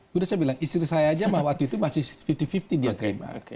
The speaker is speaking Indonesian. sudah saya bilang istri saya aja waktu itu masih lima puluh lima puluh dia terima